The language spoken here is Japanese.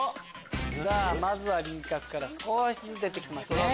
さぁまずは輪郭から少しずつ出てきますね。